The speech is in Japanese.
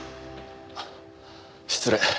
あっ失礼。